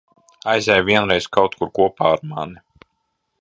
Aizej vienreiz kaut kur kopā ar mani.